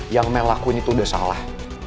yang melakuin itu udah salah